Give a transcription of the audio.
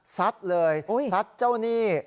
ซัดเลยซัดเจ้าหนี้